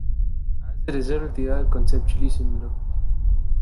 As a result, they are conceptually similar.